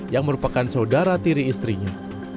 yang merupakan saudara tiri istrinya